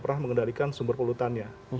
pernah mengendalikan sumber polutannya